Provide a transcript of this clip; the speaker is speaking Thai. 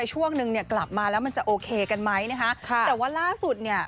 ช่วงนึงเนี่ยกลับมาแล้วมันจะโอเคกันไหมนะคะค่ะแต่ว่าล่าสุดเนี่ย